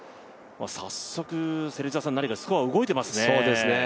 早速スコア、動いていますね。